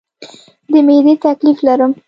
د معدې تکلیف لرم